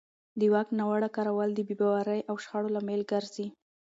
د واک ناوړه کارول د بې باورۍ او شخړو لامل ګرځي